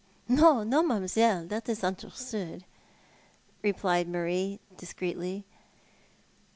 "No, no, mam'selle, that is understood," replied Marie, discreetly.